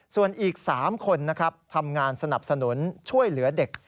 ส่วนอีก๓คนนะครับทำงานสนับสนุนช่วยเหลือเด็ก